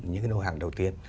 những cái nội dung chăn nuôi